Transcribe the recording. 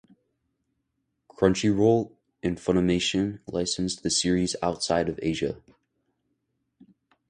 Crunchyroll and Funimation licensed the series outside of Asia.